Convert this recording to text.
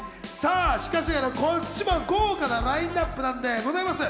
しかしながらこっちも豪華なラインナップなんでございます。